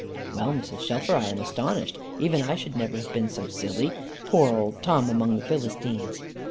"Well, Mrs. Shelfer, I am astonished. Even I should never have been so silly. Poor old Tom among the Philistines!"